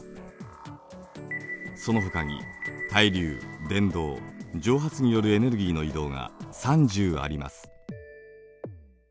そのほかに対流・伝導・蒸発によるエネルギーの移動が３０あります。